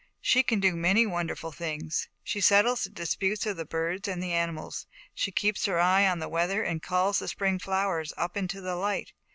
"She can do many wonderful things. She settles the disputes of the birds and animals. She keeps her eye on the weather, and calls the spring flowers up into the light.